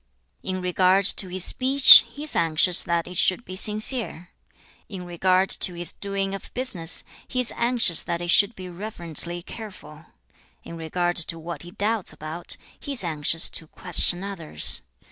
In regard to his speech, he is anxious that it should be sincere. In regard to his doing of business, he is anxious that it should be reverently careful. In regard to what he doubts about, he is anxious to question others.